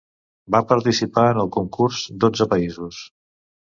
Va participar en el concurs dotze països.